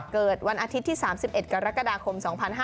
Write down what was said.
เกิดวันอาทิตย์ที่๓๑กรกฎาคม๒๕๕๙